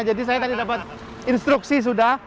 jadi saya tadi dapat instruksi sudah